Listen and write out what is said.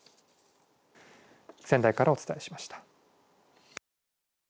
仙台からお伝えしました。